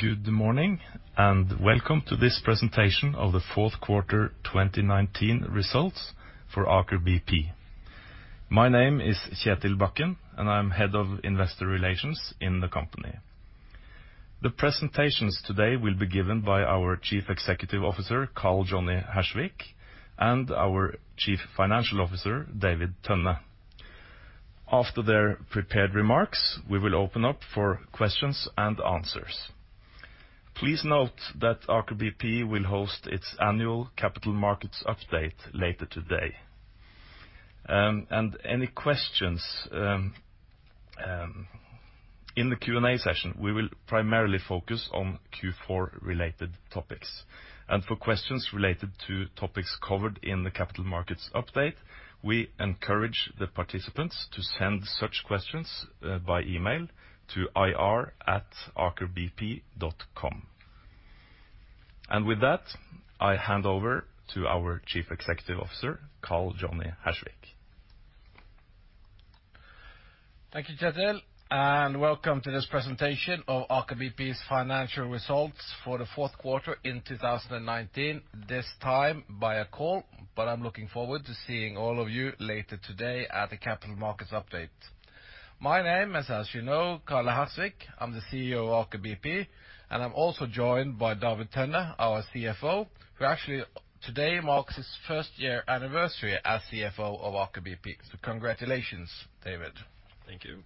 Good morning, welcome to this presentation of the fourth quarter 2019 results for Aker BP. My name is Kjetil Bakken, and I'm Head of Investor Relations in the company. The presentations today will be given by our Chief Executive Officer, Karl Johnny Hersvik, and our Chief Financial Officer, David Tønne. After their prepared remarks, we will open up for questions and answers. Please note that Aker BP will host its annual Capital Markets Update later today. Any questions in the Q&A session, we will primarily focus on Q4-related topics. For questions related to topics covered in the Capital Markets Update, we encourage the participants to send such questions by email to ir@akerbp.com. With that, I hand over to our Chief Executive Officer, Karl Johnny Hersvik. Thank you, Kjetil. Welcome to this presentation of Aker BP's financial results for the fourth quarter in 2019, this time by a call, I'm looking forward to seeing all of you later today at the Capital Markets Update. My name is, as you know, Karl Hersvik. I'm the CEO of Aker BP, I'm also joined by David Tønne, our CFO, who actually today marks his first year anniversary as CFO of Aker BP. Congratulations, David. Thank you.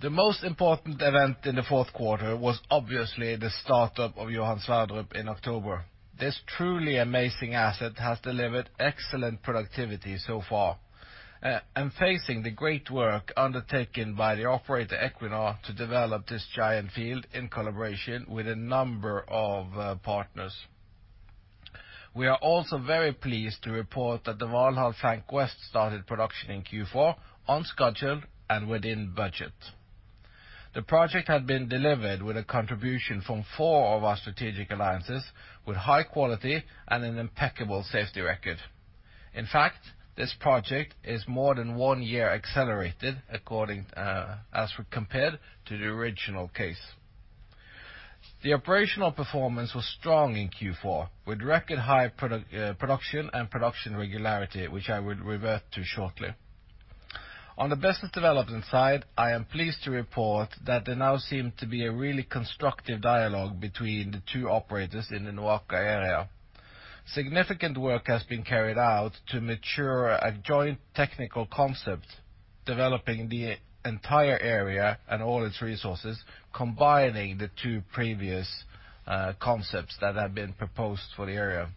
The most important event in the fourth quarter was obviously the startup of Johan Sverdrup in October. This truly amazing asset has delivered excellent productivity so far. Facing the great work undertaken by the operator, Equinor, to develop this giant field in collaboration with a number of partners, we are also very pleased to report that the Valhall Flank West started production in Q4 on schedule and within budget. The project had been delivered with a contribution from four of our strategic alliances with high quality and an impeccable safety record. In fact, this project is more than one year accelerated as we compared to the original case. The operational performance was strong in Q4, with record high production and production regularity, which I will revert to shortly. On the business development side, I am pleased to report that there now seem to be a really constructive dialogue between the two operators in the NOAKA area. Significant work has been carried out to mature a joint technical concept, developing the entire area and all its resources, combining the two previous concepts that have been proposed for the area.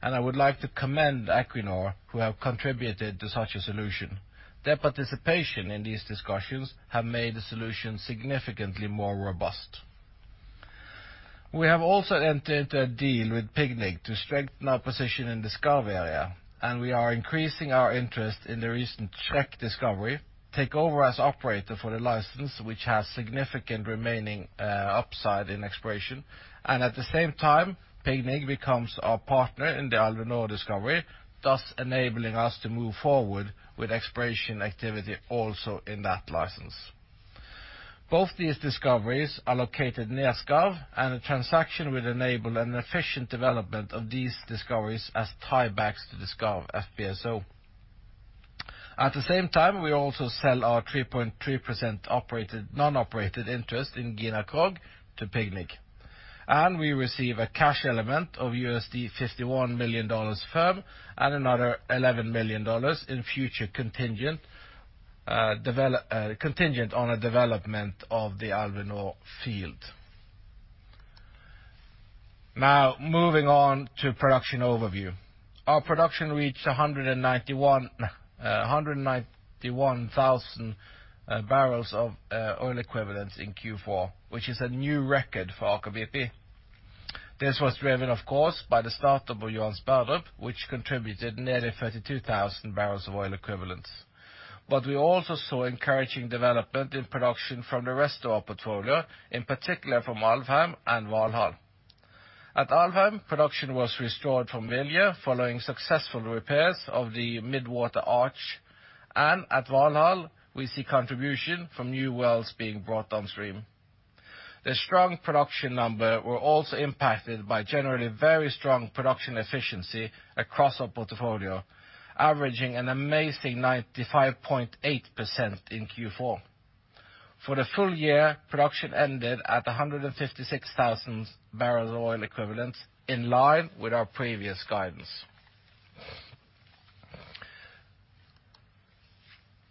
I would like to commend Equinor, who have contributed to such a solution. Their participation in these discussions have made the solution significantly more robust. We have also entered a deal with PGNiG to strengthen our position in the Skarv area, and we are increasing our interest in the recent Shrek discovery, take over as operator for the license, which has significant remaining upside in exploration. At the same time, PGNiG becomes our partner in the Alvheim discovery, thus enabling us to move forward with exploration activity also in that license. Both these discoveries are located near Skarv, and the transaction will enable an efficient development of these discoveries as tie-backs to the Skarv FPSO. At the same time, we also sell our 3.3% non-operated interest in Gina Krog to PGNiG, and we receive a cash element of $51 million firm and another $11 million in future contingent on a development of the Alvheim field. Moving on to production overview. Our production reached 191,000 bbl of oil equivalents in Q4, which is a new record for Aker BP. This was driven, of course, by the startup of Johan Sverdrup, which contributed nearly 32,000 bbl of oil equivalents. We also saw encouraging development in production from the rest of our portfolio, in particular from Alvheim and Valhall. At Alvheim, production was restored from Volund following successful repairs of the mid-water arch, at Valhall, we see contribution from new wells being brought downstream. The strong production number were also impacted by generally very strong production efficiency across our portfolio, averaging an amazing 95.8% in Q4. For the full year, production ended at 156,000 bbl oil equivalent, in line with our previous guidance.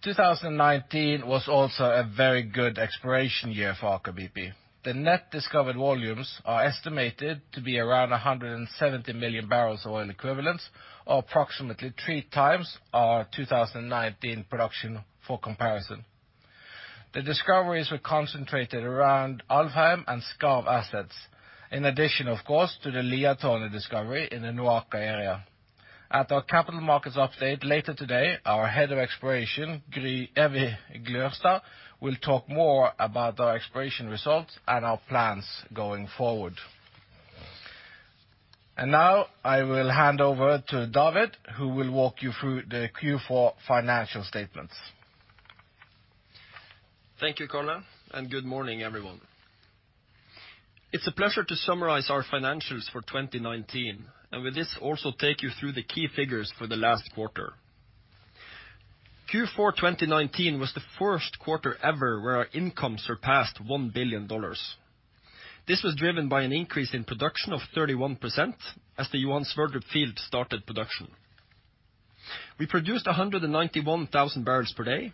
2019 was also a very good exploration year for Aker BP. The net discovered volumes are estimated to be around 170 million barrels oil equivalents, or approximately three times our 2019 production for comparison. The discoveries were concentrated around Alvheim and Skarv assets, in addition, of course, to the Liatårnet discovery in the NOAKA area. At our Capital Markets Update later today, our Head of Exploration, Evy Glørstad, will talk more about our exploration results and our plans going forward. Now I will hand over to David, who will walk you through the Q4 financial statements. Thank you, Karl, and good morning, everyone. It's a pleasure to summarize our financials for 2019, and with this also take you through the key figures for the last quarter. Q4 2019 was the first quarter ever where our income surpassed $1 billion. This was driven by an increase in production of 31%, as the Johan Sverdrup field started production. We produced 191,000 bpd,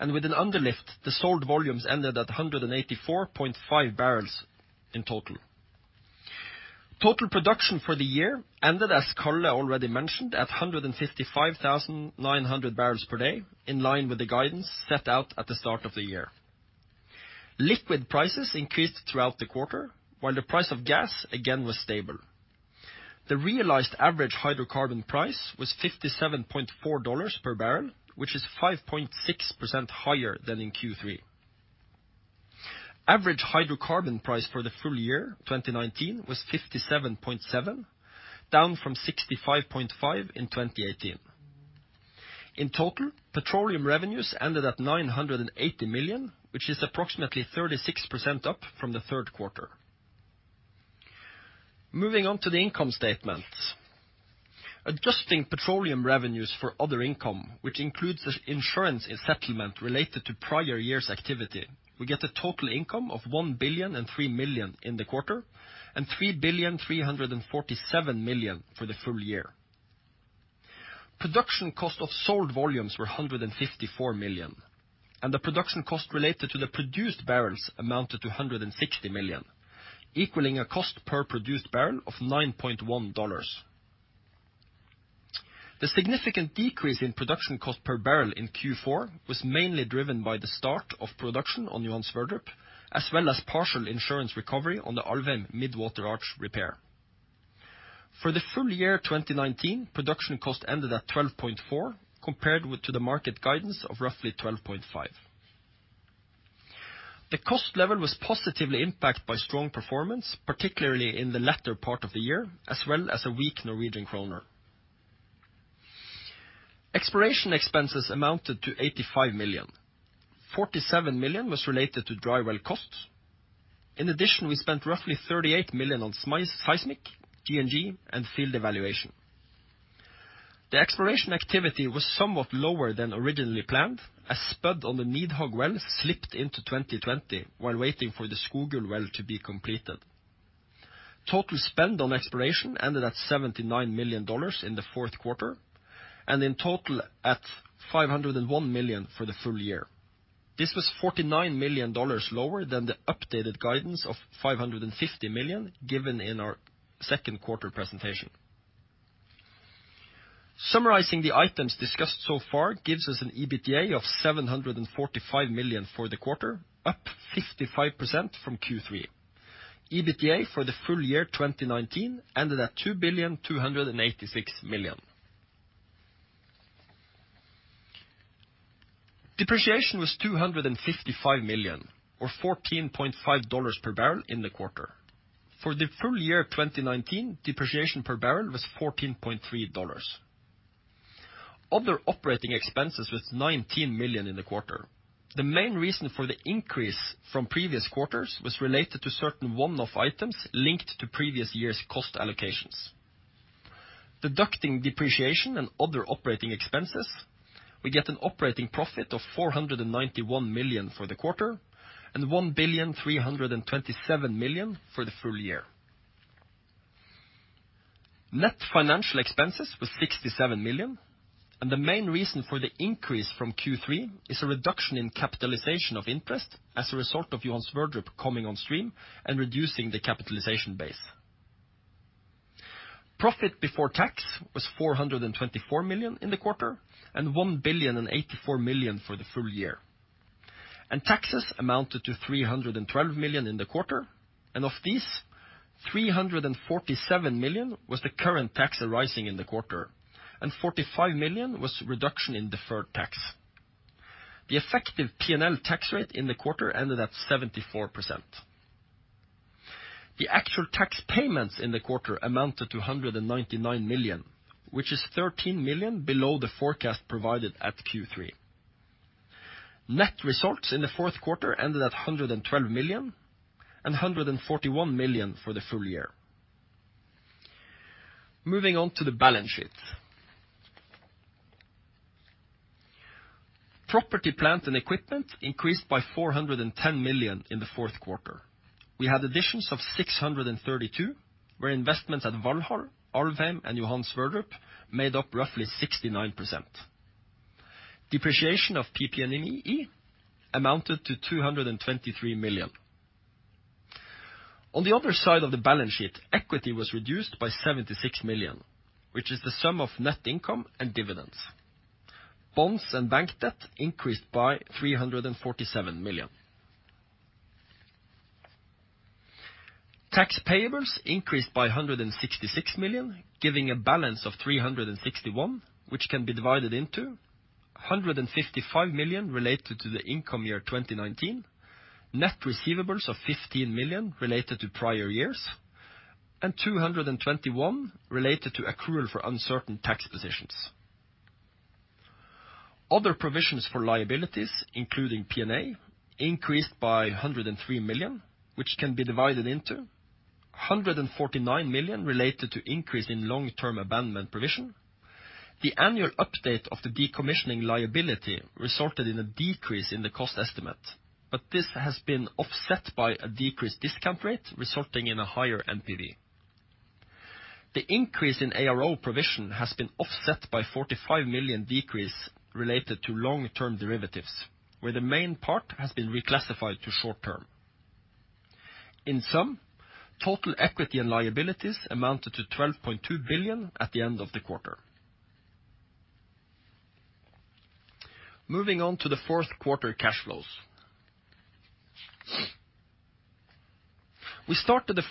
and with an underlift, the sold volumes ended at 184.5 bbl in total. Total production for the year ended, as Karl already mentioned, at 155,900 bpd, in line with the guidance set out at the start of the year. Liquid prices increased throughout the quarter, while the price of gas again was stable. The realized average hydrocarbon price was $57.4 per barrel, which is 5.6% higher than in Q3. Average hydrocarbon price for the full year 2019 was $57.7, down from $65.5 in 2018. In total, petroleum revenues ended at $980 million, which is approximately 36% up from the third quarter. Moving on to the income statements. Adjusting petroleum revenues for other income, which includes insurance settlement related to prior years' activity, we get a total income of $1,003 million in the quarter, and $3,347 million for the full year. Production cost of sold volumes were $154 million, and the production cost related to the produced barrels amounted to $160 million, equaling a cost per produced barrel of $9.1. The significant decrease in production cost per barrel in Q4 was mainly driven by the start of production on Johan Sverdrup, as well as partial insurance recovery on the Alvheim mid-water arch repair. For the full year 2019, production cost ended at 12.4, compared to the market guidance of roughly 12.5. The cost level was positively impacted by strong performance, particularly in the latter part of the year, as well as a weak Norwegian kroner. Exploration expenses amounted to $85 million. $47 million was related to dry well costs. In addition, we spent roughly $38 million on seismic, G&G, and field evaluation. The exploration activity was somewhat lower than originally planned, as spud on the Nidhogg well slipped into 2020 while waiting for the Skogul well to be completed. Total spend on exploration ended at $79 million in the fourth quarter, and in total at $501 million for the full year. This was $49 million lower than the updated guidance of $550 million given in our second quarter presentation. Summarizing the items discussed so far gives us an EBITDA of$745 million for the quarter, up 55% from Q3. EBITDA for the full year 2019 ended at $2.286 billion. Depreciation was $255 million, or $14.50 per barrel in the quarter. For the full year 2019, depreciation per barrel was $14.30. Other operating expenses was $19 million in the quarter. The main reason for the increase from previous quarters was related to certain one-off items linked to previous year's cost allocations. Deducting depreciation and other operating expenses, we get an operating profit of $491 million for the quarter, and $1.327 billion for the full year. Net financial expenses was $67 million, and the main reason for the increase from Q3 is a reduction in capitalization of interest as a result of Johan Sverdrup coming on stream and reducing the capitalization base. Profit before tax was $424 million in the quarter, and $1,084 million for the full year. Taxes amounted to $312 million in the quarter. Of these, $347 million was the current tax arising in the quarter, $45 million was reduction in deferred tax. The effective P&L tax rate in the quarter ended at 74%. The actual tax payments in the quarter amounted to $199 million, which is $13 million below the forecast provided at Q3. Net results in the fourth quarter ended at $112 million, $141 million for the full year. Moving on to the balance sheet. Property plant and equipment increased by $410 million in the fourth quarter. We had additions of $632 million, where investments at Valhall, Alvheim, and Johan Sverdrup made up roughly 69%. Depreciation of PP&E amounted to $223 million. On the other side of the balance sheet, equity was reduced by $76 million, which is the sum of net income and dividends. Bonds and bank debt increased by $347 million. Tax payables increased by $166 million, giving a balance of $361, which can be divided into $155 million related to the income year 2019, net receivables of $15 million related to prior years, and $221 related to accrual for uncertain tax positions. Other provisions for liabilities, including P&A, increased by $103 million, which can be divided into $149 million related to increase in long-term abandonment provision. The annual update of the decommissioning liability resulted in a decrease in the cost estimate, but this has been offset by a decreased discount rate, resulting in a higher NPV. The increase in ARO provision has been offset by $45 million decrease related to long-term derivatives, where the main part has been reclassified to short-term. In sum, total equity and liabilities amounted to $12.2 billion at the end of the quarter. Moving on to the fourth quarter cash flows. We started the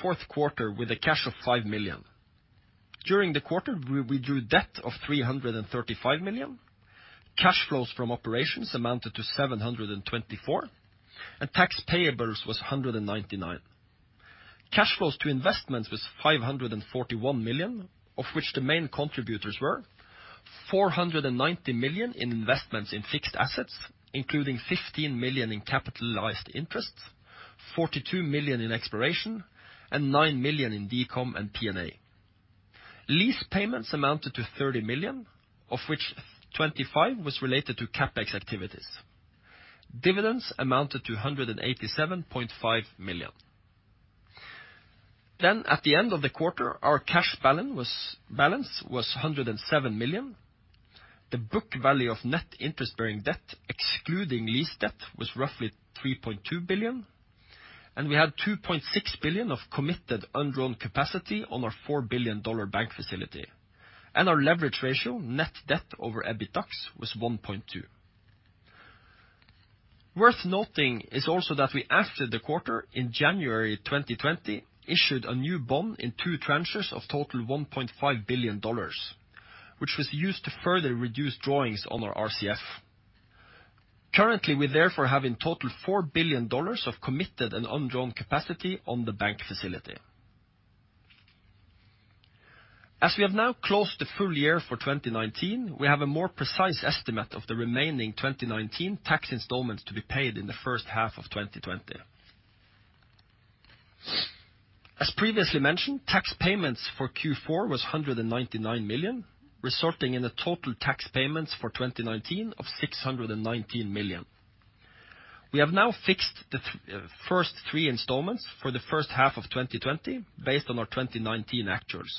fourth quarter with a cash of $5 million. During the quarter, we drew debt of $335 million, cash flows from operations amounted to $724 million, and tax payables was $199 million. Cash flows to investments was $541 million, of which the main contributors were $490 million in investments in fixed assets, including $15 million in capitalized interest, $42 million in exploration, and $9 million in decom and P&A. Lease payments amounted to $30 million, of which $25 million was related to CapEx activities. Dividends amounted to $187.5 million. At the end of the quarter, our cash balance was $107 million. The book value of net interest-bearing debt, excluding lease debt, was roughly $3.2 billion. We had $2.6 billion of committed undrawn capacity on our $4 billion bank facility. Our leverage ratio, net debt over EBITDAX, was 1.2. Worth noting is also that we, after the quarter, in January 2020, issued a new bond in two tranches of total $1.5 billion, which was used to further reduce drawings on our RCF. Currently, we therefore have in total $4 billion of committed and undrawn capacity on the bank facility. As we have now closed the full year for 2019, we have a more precise estimate of the remaining 2019 tax installments to be paid in the first half of 2020. As previously mentioned, tax payments for Q4 was $199 million, resulting in the total tax payments for 2019 of $619 million. We have now fixed the first three installments for the first half of 2020 based on our 2019 actuals.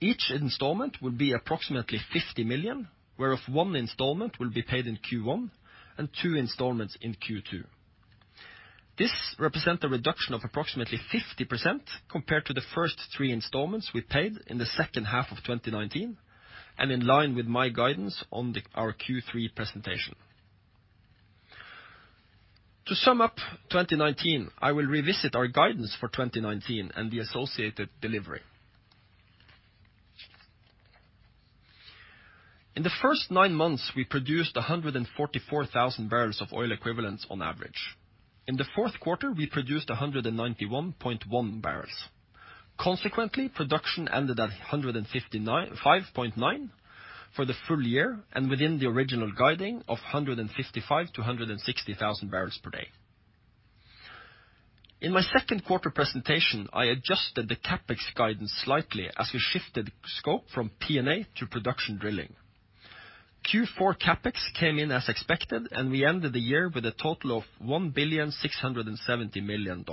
Each installment would be approximately $50 million, whereof one installment will be paid in Q1 and two installments in Q2. This represents a reduction of approximately 50% compared to the first three installments we paid in the second half of 2019, and in line with my guidance on our Q3 presentation. To sum up 2019, I will revisit our guidance for 2019 and the associated delivery. In the first nine months, we produced 144,000 bbl of oil equivalents on average. In the fourth quarter, we produced 191.1 bbl. Consequently, production ended at 155.9 bbl for the full year and within the original guiding of 155,000 bpd-160,000 bpd. In my second quarter presentation, I adjusted the CapEx guidance slightly as we shifted scope from P&A to production drilling. Q4 CapEx came in as expected, we ended the year with a total of $1.670 billion.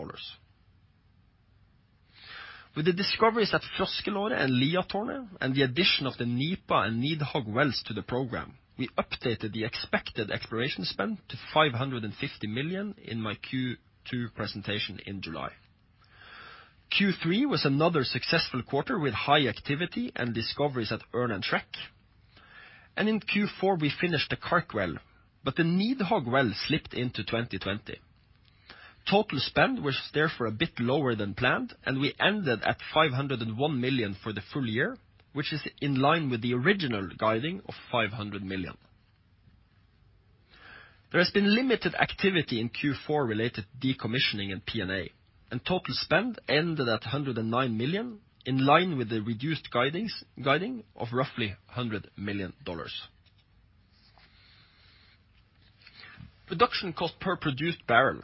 With the discoveries at Froskelår and Liatårnet and the addition of the Nipa and Nidhogg wells to the program, we updated the expected exploration spend to $550 million in my Q2 presentation in July. Q3 was another successful quarter with high activity and discoveries at Ørn and Kark. In Q4, we finished the Kark well, but the Nidhogg well slipped into 2020. Total spend was therefore a bit lower than planned, we ended at $501 million for the full year, which is in line with the original guiding of $500 million. There has been limited activity in Q4 related decommissioning and P&A, total spend ended at $109 million, in line with the reduced guiding of roughly $100 million. Production cost per produced barrel.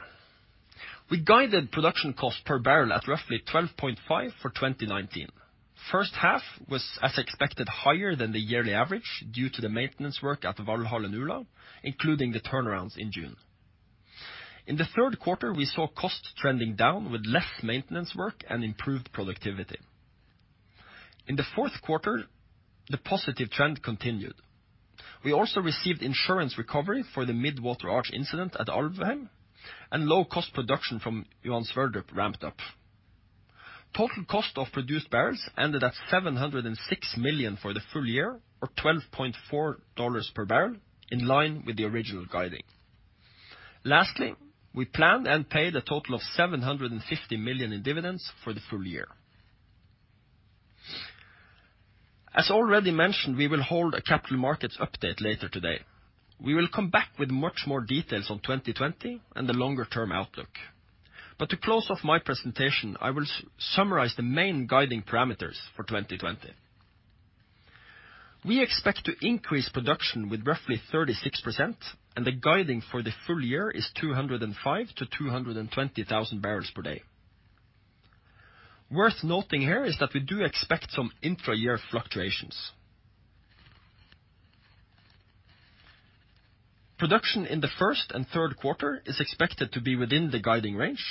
We guided production cost per barrel at roughly $12.5 for 2019. First half was, as expected, higher than the yearly average due to the maintenance work at Valhall and Ula, including the turnarounds in June. In the third quarter, we saw costs trending down with less maintenance work and improved productivity. In the fourth quarter, the positive trend continued. We also received insurance recovery for the mid-water arch incident at Alvheim, and low-cost production from Johan Sverdrup ramped up. Total cost of produced barrels ended at $706 million for the full year or $12.4 per barrel, in line with the original guiding. Lastly, we planned and paid a total of $750 million in dividends for the full year. As already mentioned, we will hold a Capital Markets Update later today. We will come back with much more details on 2020 and the longer-term outlook. To close off my presentation, I will summarize the main guiding parameters for 2020. We expect to increase production with roughly 36%, and the guiding for the full year is 205,000 bpd-220,000 bpd. Worth noting here is that we do expect some intra-year fluctuations. Production in the first and third quarter is expected to be within the guiding range.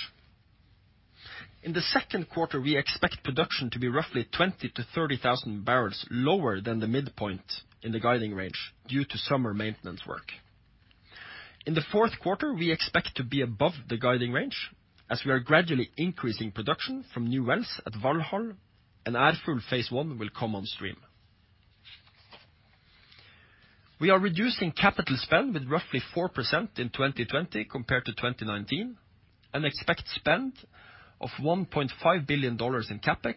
In the second quarter, we expect production to be roughly 20,000 bbl-30,000 bbl lower than the midpoint in the guiding range due to summer maintenance work. In the fourth quarter, we expect to be above the guiding range, as we are gradually increasing production from new wells at Valhall, and Ærfugl Phase I will come on stream. We are reducing capital spend with roughly 4% in 2020 compared to 2019. We expect spend of $1.5 billion in CapEx,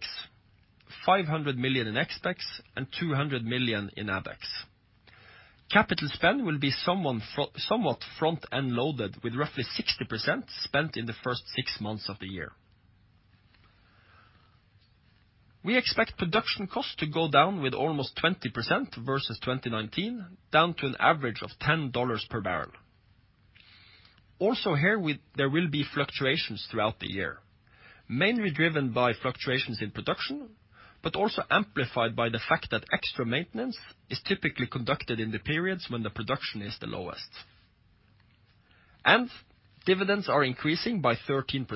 $500 million in ExpEx, and $200 million in AbEx. Capital spend will be somewhat front-end loaded with roughly 60% spent in the first six months of the year. We expect production costs to go down with almost 20% versus 2019, down to an average of $10 per barrel. Also here, there will be fluctuations throughout the year, mainly driven by fluctuations in production, also amplified by the fact that extra maintenance is typically conducted in the periods when the production is the lowest. Dividends are increasing by 13%,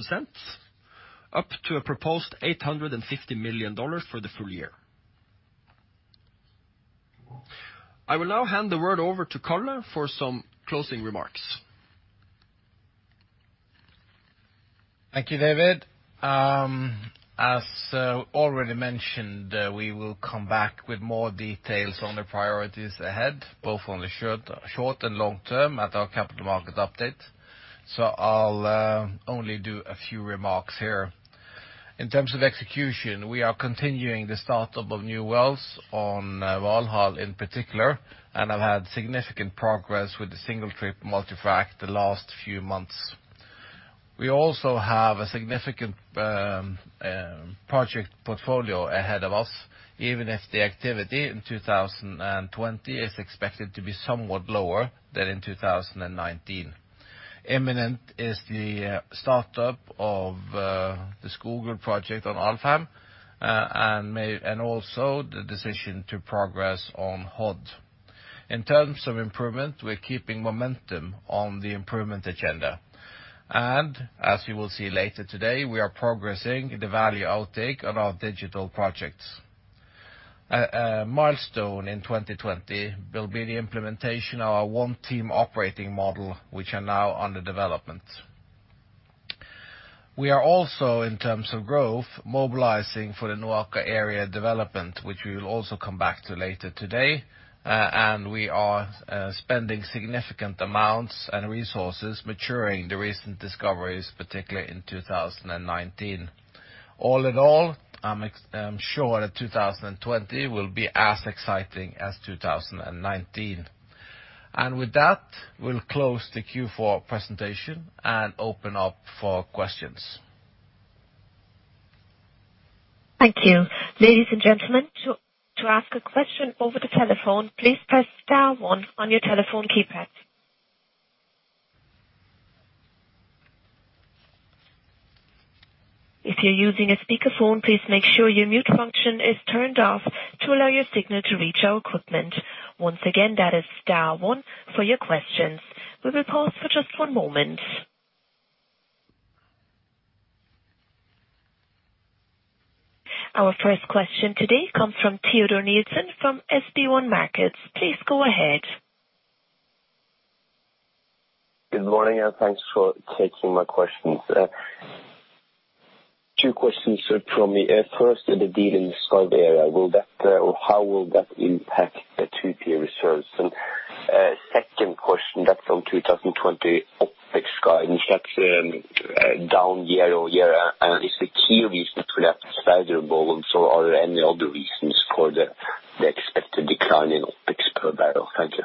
up to a proposed $850 million for the full year. I will now hand the word over to Karl for some closing remarks. Thank you, David. As already mentioned, we will come back with more details on the priorities ahead, both on the short and long term at our capital market update. I'll only do a few remarks here. In terms of execution, we are continuing the start-up of new wells on Valhall in particular, and have had significant progress with the single-trip multi-frac the last few months. We also have a significant project portfolio ahead of us, even if the activity in 2020 is expected to be somewhat lower than in 2019. Imminent is the start-up of the Skogul project on Alvheim, and also the decision to progress on Hod. In terms of improvement, we're keeping momentum on the improvement agenda. As you will see later today, we are progressing the value outtake on our digital projects. A milestone in 2020 will be the implementation of our One Team operating model, which are now under development. We are also, in terms of growth, mobilizing for the NOAKA area development, which we will also come back to later today. We are spending significant amounts and resources maturing the recent discoveries, particularly in 2019. All in all, I'm sure that 2020 will be as exciting as 2019. With that, we'll close the Q4 presentation and open up for questions. Thank you. Ladies and gentlemen, to ask a question over the telephone, please press star one on your telephone keypad. If you're using a speakerphone, please make sure your mute function is turned off to allow your signal to reach our equipment. Once again, that is star one for your questions. We will pause for just one moment. Our first question today comes from Teodor Nilsen from SB1 Markets. Please go ahead. Good morning. Thanks for taking my questions. Two questions from me. First, the deal in the Skarv area. How will that impact the 2P reserves? Second question that's on 2020 OpEx guidance. That's down year-over-year. Is the key reason for that lower volumes, or are there any other reasons for the expected decline in OpEx per barrel? Thank you.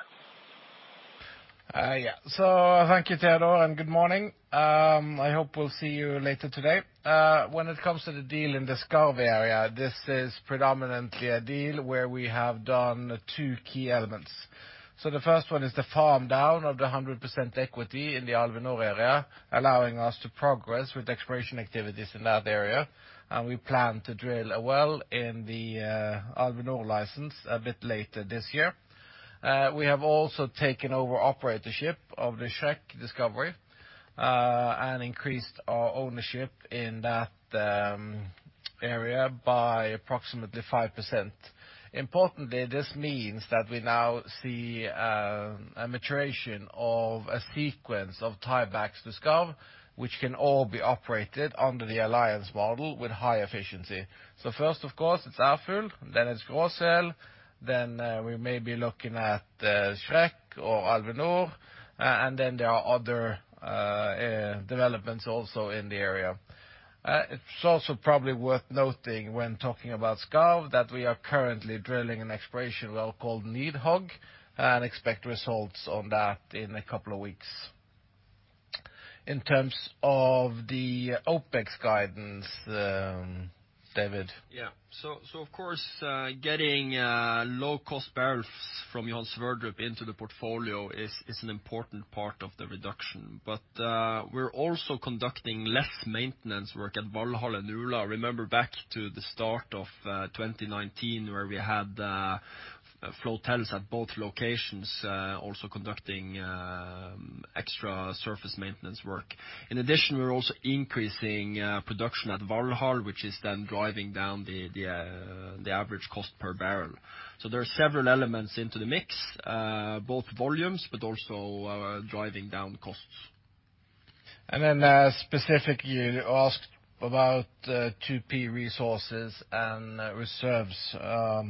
Thank you, Teodor, and good morning. I hope we'll see you later today. When it comes to the deal in the Skarv area, this is predominantly a deal where we have done two key elements. The first one is the farm down of the 100% equity in the Alvheim area, allowing us to progress with exploration activities in that area. We plan to drill a well in the Alvheim license a bit later this year. We have also taken over operatorship of the Shrek discovery, and increased our ownership in that area by approximately 5%. Importantly, this means that we now see a maturation of a sequence of tiebacks to Skarv, which can all be operated under the alliance model with high efficiency. First, of course, it's Ærfugl, then it's Gråsputnik. We may be looking at Shrek or Alvheim, and then there are other developments also in the area. It's also probably worth noting when talking about Skarv, that we are currently drilling an exploration well called Nidhogg, and expect results on that in a couple of weeks. In terms of the OpEx guidance, David. Yeah. Of course, getting low-cost barrels from Johan Sverdrup into the portfolio is an important part of the reduction. We're also conducting less maintenance work at Valhall and Ula. Remember back to the start of 2019, where we had floatels at both locations also conducting extra surface maintenance work. In addition, we're also increasing production at Valhall, which is then driving down the average cost per barrel. There are several elements into the mix, both volumes, but also driving down costs. Specifically, you asked about 2P resources and reserves, or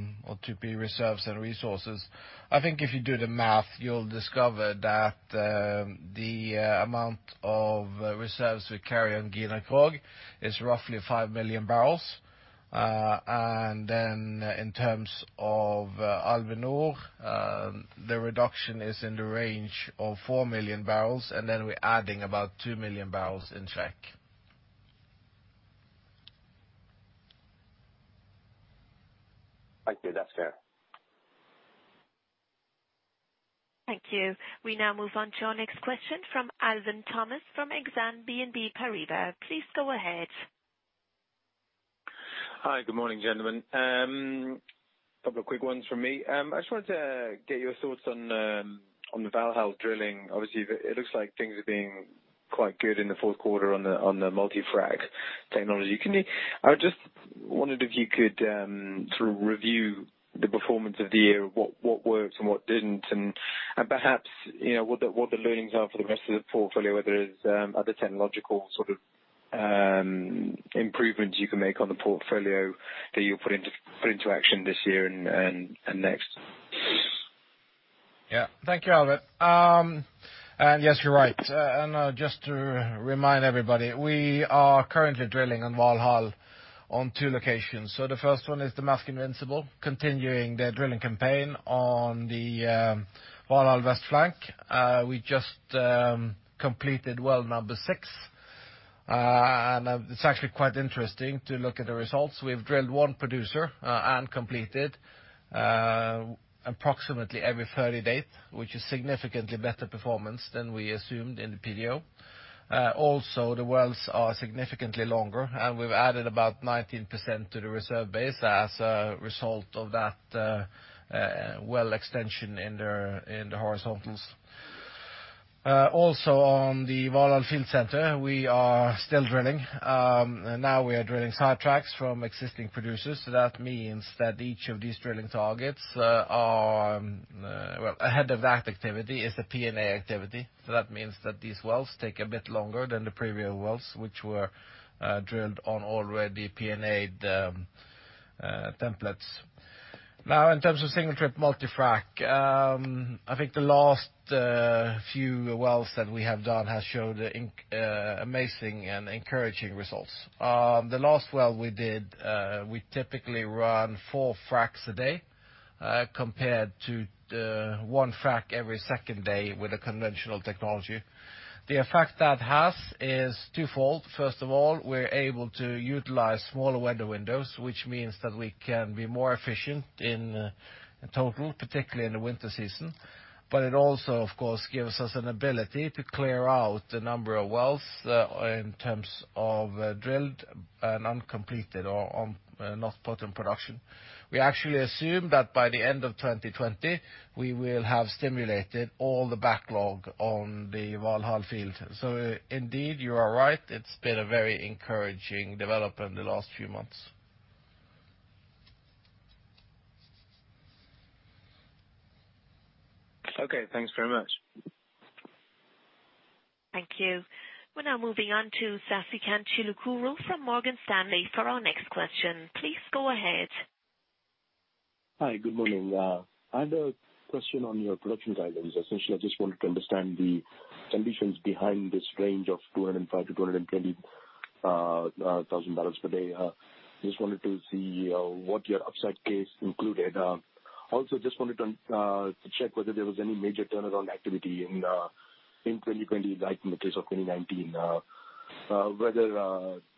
2P reserves and resources. I think if you do the math, you will discover that the amount of reserves we carry on Gina Krog is roughly 5 million barrels. In terms of Alvheim, the reduction is in the range of 4 million barrels, and then we are adding about 2 million barrels in Shrek. Thank you. That's fair. Thank you. We now move on to our next question from Alwyn Thomas, from Exane BNP Paribas. Please go ahead. Hi. Good morning, gentlemen. Couple of quick ones from me. I just wanted to get your thoughts on the Valhall drilling. Obviously, it looks like things are being quite good in the fourth quarter on the multi-frac technology. I just wondered if you could sort of review the performance of the year, what worked and what didn't, and perhaps, what the learnings are for the rest of the portfolio, whether there's other technological sort of improvements you can make on the portfolio that you'll put into action this year and next. Yeah. Thank you, Alwyn. Yes, you're right. Just to remind everybody, we are currently drilling on Valhall on two locations. The first one is the Maersk Invincible, continuing their drilling campaign on the Valhall West Flank. We just completed well number six. It's actually quite interesting to look at the results. We've drilled one producer and completed approximately every 30 days, which is significantly better performance than we assumed in the PDO. Also, the wells are significantly longer, and we've added about 19% to the reserve base as a result of that well extension in the horizontals. Also on the Valhall field center, we are still drilling. Now we are drilling sidetracks from existing producers. That means that. Well, ahead of that activity is the P&A activity. That means that these wells take a bit longer than the previous wells, which were drilled on already P&A-ed templates. Now in terms of single-trip multi-frac, I think the last few wells that we have done has showed amazing and encouraging results. The last well we did, we typically run four fracs a day compared to one frac every second day with a conventional technology. The effect that has is twofold. First of all, we're able to utilize smaller weather windows, which means that we can be more efficient in total, particularly in the winter season. It also, of course, gives us an ability to clear out a number of wells in terms of drilled and uncompleted or not put in production. We actually assume that by the end of 2020, we will have stimulated all the backlog on the Valhall field. Indeed, you are right. It's been a very encouraging development the last few months. Okay, thanks very much. Thank you. We are now moving on to Sasikanth Chilukuru from Morgan Stanley for our next question. Please go ahead. Hi. Good morning. I had a question on your production guidance. Essentially, I just wanted to understand the conditions behind this range of 205,000 bpd-220,000 bpd. Just wanted to see what your upside case included. Also, just wanted to check whether there was any major turnaround activity in 2020, like in the case of 2019.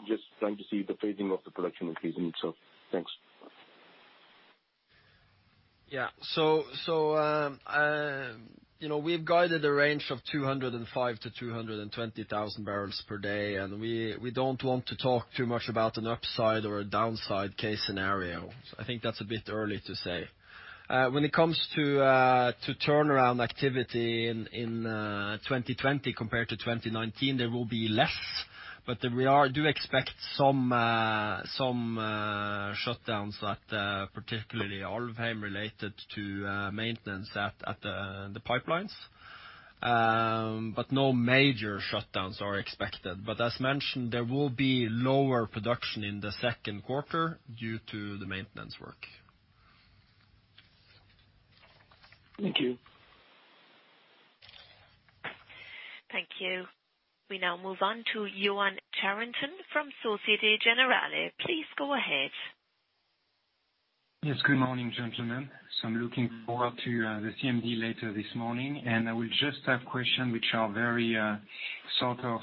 Just trying to see the phasing of the production increase itself. Thanks. We've guided a range of 205,000 bpd-220,000 bpd. We don't want to talk too much about an upside or a downside case scenario. I think that's a bit early to say. When it comes to turnaround activity in 2020 compared to 2019, there will be less, but we do expect some shutdowns at particularly Alvheim related to maintenance at the pipelines. No major shutdowns are expected. As mentioned, there will be lower production in the second quarter due to the maintenance work. Thank you. Thank you. We now move on to Yoann Charenton from Société Générale. Please go ahead. Yes, good morning, gentlemen. I'm looking forward to the CMD later this morning, and I will just have question which are very sort of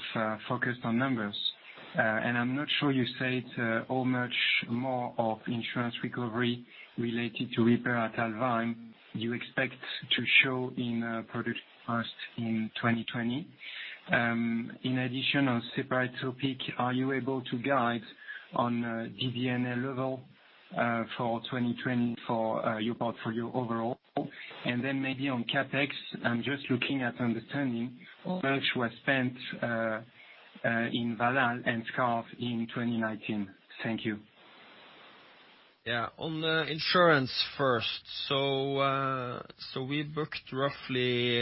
focused on numbers. I'm not sure you said how much more of insurance recovery related to repair at Alvheim you expect to show in product cost in 2020. In addition, on separate topic, are you able to guide on a DD&A level for 2020 for your portfolio overall? Maybe on CapEx, I'm just looking at understanding how much was spent in Valhall and Skarv in 2019. Thank you. Yeah. On the insurance first. We booked roughly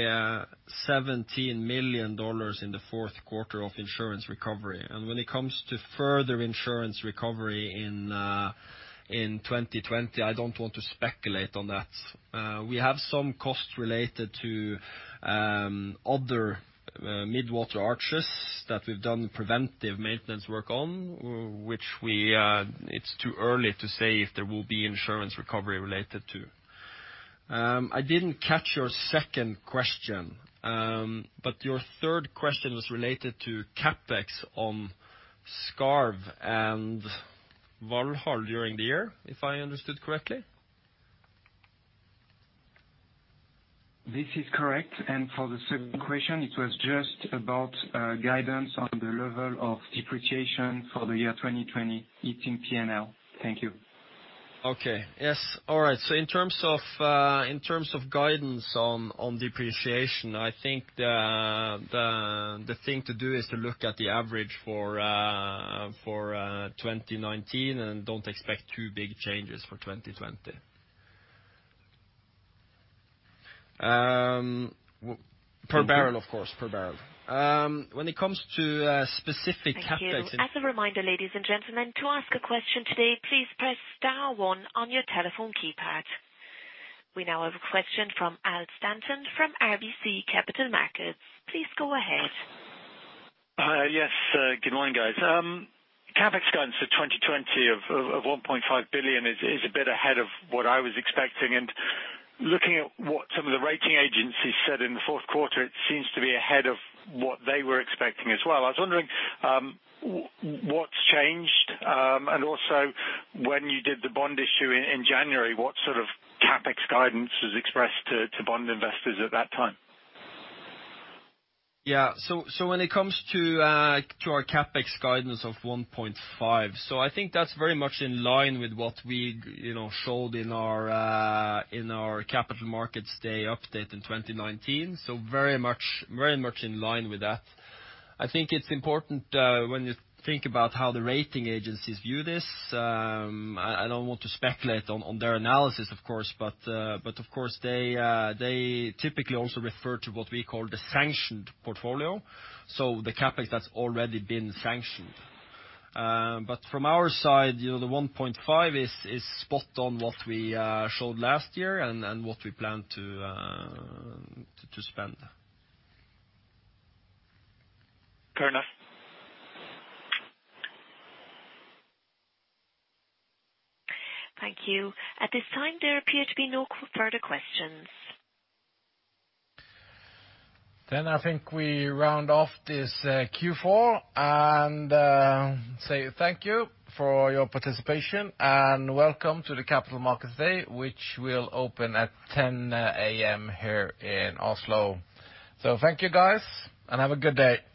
$17 million in the fourth quarter of insurance recovery. When it comes to further insurance recovery in 2020, I don't want to speculate on that. We have some costs related to other mid-water arches that we've done preventive maintenance work on, which it's too early to say if there will be insurance recovery related to. I didn't catch your second question. Your third question was related to CapEx on Skarv and Valhall during the year, if I understood correctly. This is correct, and for the second question, it was just about guidance on the level of depreciation for the year 2020, 18 P&L. Thank you. Okay. Yes. All right. In terms of guidance on depreciation, I think the thing to do is to look at the average for 2019 and don't expect too big changes for 2020. Per barrel, of course. Per barrel. When it comes to specific CapEx- Thank you. As a reminder, ladies and gentlemen, to ask a question today, please press star one on your telephone keypad. We now have a question from Al Stanton from RBC Capital Markets. Please go ahead. Hi. Yes, good morning, guys. CapEx guidance for 2020 of $1.5 billion is a bit ahead of what I was expecting. Looking at what some of the rating agencies said in the fourth quarter, it seems to be ahead of what they were expecting as well. I was wondering what's changed, and also when you did the bond issue in January, what sort of CapEx guidance was expressed to bond investors at that time? Yeah. When it comes to our CapEx guidance of $1.5 billion, I think that's very much in line with what we showed in our capital markets day update in 2019. Very much in line with that. I think it's important when you think about how the rating agencies view this, I don't want to speculate on their analysis, of course, of course, they typically also refer to what we call the sanctioned portfolio, the CapEx that's already been sanctioned. From our side, the 1.5 billion is spot on what we showed last year and what we plan to spend. Fair enough. Thank you. At this time, there appear to be no further questions. I think we round off this Q4 and say thank you for your participation and welcome to the Capital Markets Day, which will open at 10:00 A.M. here in Oslo. Thank you guys, and have a good day.